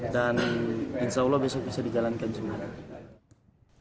dan insya allah besok bisa dijalankan juga